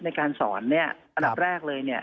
ในการสอนเนี่ยอันดับแรกเลยเนี่ย